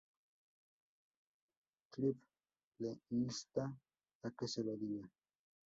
Cliff le insta a que se lo diga.